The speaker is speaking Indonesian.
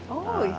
oh surimi ya